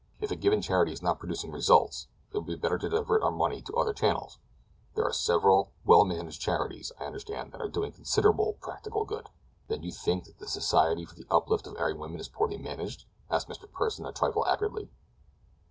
If a given charity is not producing results it would be better to divert our money to other channels—there are several well managed charities, I understand, that are doing considerable practical good." "Then you think that the Society for the Uplift of Erring Women is poorly managed?" asked Mr. Pursen a trifle acridly.